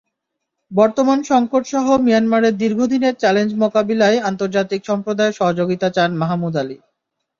বর্তমান সংকটসহ মিয়ানমারের দীর্ঘদিনের চ্যালেঞ্জ মোকাবিলায় আন্তর্জাতিক সম্প্রদায়ের সহযোগিতা চান মাহমুদ আলী।